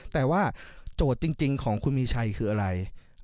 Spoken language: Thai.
แต่ว่าโจทย์จริงของคุณมีชัยคืออะไร